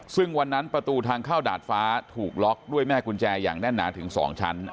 ซึ่งวันนั้นประตูทางเข้าดาดฟ้าถูกล็อกด้วยแม่กุญแจอย่างแน่นหนาถึง๒ชั้น